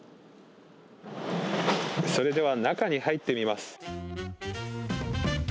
それでは、中に入ってみます。